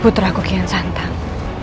putraku kian santang